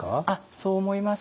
そう思います。